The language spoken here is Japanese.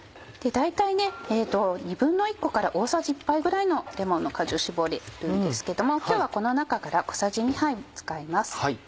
大体１／２個から大さじ１杯ぐらいのレモンの果汁搾れるんですけども今日はこの中から小さじ２杯使います。